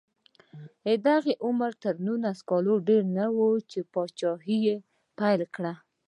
د هغه عمر تر نولس کلونو ډېر نه و چې پاچاهي یې پیل کړه.